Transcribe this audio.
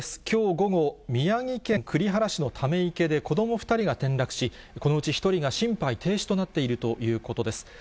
きょう午後、宮城県栗原市のため池で、子ども２人が転落し、このうち１人が心肺停止となっているということです。